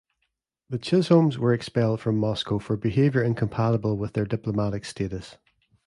The Chisholms were expelled from Moscow for behaviour incompatible with their diplomatic status.